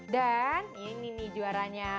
dan ini nih juaranya